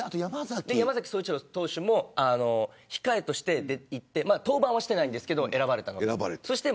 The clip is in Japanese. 山崎投手も控えとしていって登板はしてないですけど選ばれました。